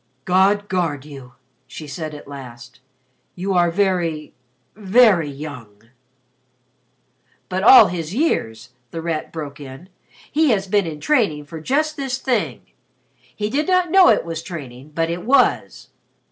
"God guard you!" she said at last. "You are very very young!" "But all his years," The Rat broke in, "he has been in training for just this thing. He did not know it was training, but it was.